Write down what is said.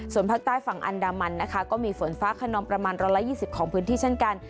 ส่วนภาคใต้ฝั่งอันดามันนะคะก็มีฝนฟ้าขนองประมาณ๑๒๐ของพื้นที่เช่นกัน